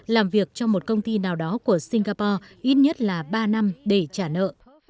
làm việc trong một công ty nào đó của singapore ít nhất là ba năm để trả nợ